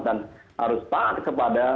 dan harus taat kepada